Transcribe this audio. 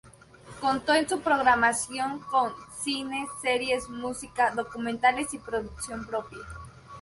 Contó en su programación con cine, series, música, documentales y producción propia.